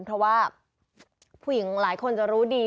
เพราะว่าผู้หญิงหลายคนจะรู้ดี